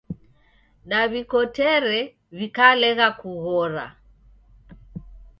Daw'ikotere w'ikalegha kughora